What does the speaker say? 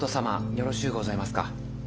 よろしうございますか。